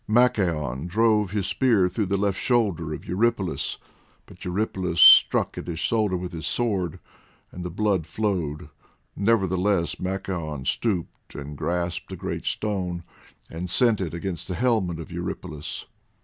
Machaon drove his spear through the left shoulder of Eurypylus, but Eurypylus struck at his shoulder with his sword, and the blood flowed; nevertheless, Machaon stooped, and grasped a great stone, and sent it against the helmet of Eurypylus.